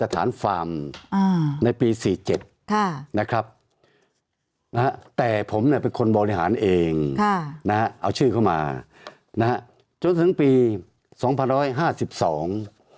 ตั้งปีสองพันร้อยห้าสิบสอง